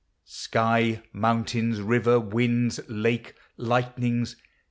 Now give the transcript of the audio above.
Sky, mountains, river, winds, lake, lightnings